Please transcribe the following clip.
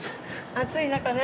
暑い中ね